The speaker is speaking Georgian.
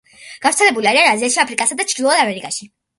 გავრცელებული არიან აზიაში, აფრიკასა და ჩრდილოეთ ამერიკაში.